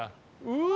うわ！